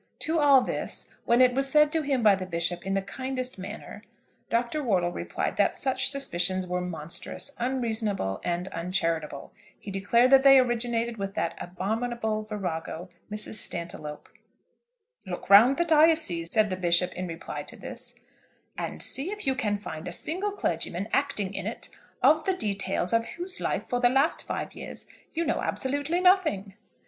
To all this, when it was said to him by the Bishop in the kindest manner, Dr. Wortle replied that such suspicions were monstrous, unreasonable, and uncharitable. He declared that they originated with that abominable virago, Mrs. Stantiloup. "Look round the diocese," said the Bishop in reply to this, "and see if you can find a single clergyman acting in it, of the details of whose life for the last five years you know absolutely nothing."